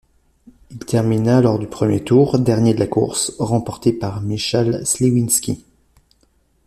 Il termina lors du premier tour, dernier de la course, remporté par Michał Śliwiński.